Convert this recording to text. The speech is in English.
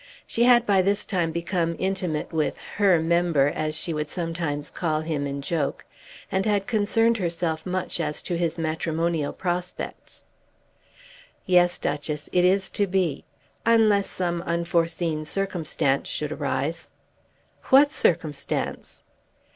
She had by this time become intimate with "her member," as she would sometimes call him in joke, and had concerned herself much as to his matrimonial prospects. "Yes, Duchess; it is to be, unless some unforeseen circumstance should arise." "What circumstance?"